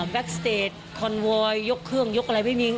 แบ็คสเตจคอนโวยยกเครื่องยกอะไร